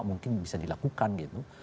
mungkin bisa dilakukan gitu